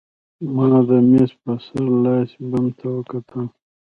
ما د مېز په سر لاسي بم ته وکتل